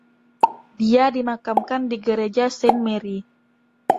Dia dimakamkan di Gereja Saint Marry.